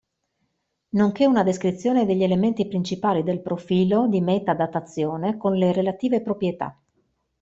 Nonché una descrizione degli elementi principali del profilo di meta datazione con le relative proprietà.